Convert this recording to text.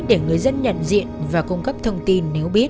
để người dân nhận diện và cung cấp thông tin nếu biết